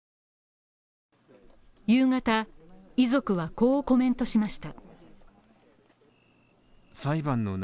夕方、遺族はこうコメントしました。